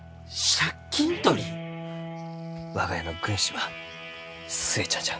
我が家の軍師は寿恵ちゃんじゃ。